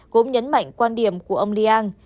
cũng nhấn mạnh quan điểm của ông li yang